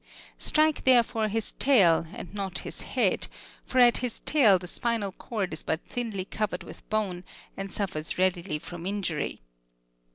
Strike therefore his tail, and not his head; for at his tail the spinal cord is but thinly covered with bone, and suffers readily from injury.